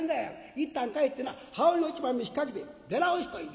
いったん帰ってな羽織の一枚も引っ掛けて出直しといで」。